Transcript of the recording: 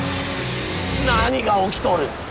何が起きとる！？